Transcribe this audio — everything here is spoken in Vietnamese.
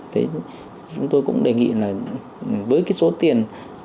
thế chúng tôi cũng đề nghị là với cái số tiền